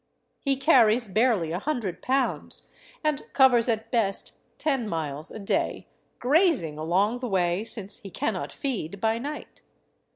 He carries barely a hundred pounds, and covers at best ten miles a day, grazing along the way, since he cannot feed by night.